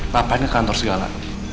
lapan ke kantor segala